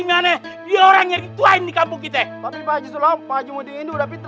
saya memang sakit hati tapi saya nggak tega orang tua dikepukin